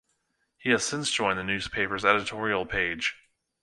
He has since joined the newspaper's editorial page.